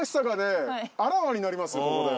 ここで。